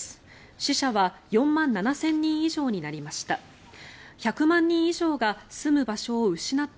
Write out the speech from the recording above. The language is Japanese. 死者は４万７０００人以上になりました。